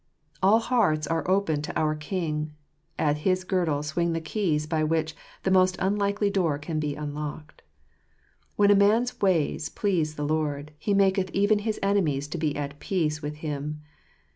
All hearts are open to our King : at his girdle swing the keys by which the most unlikely door can be unlocked. "When a man's ways please the Lord, He maketh even his enemies to be at peace with him."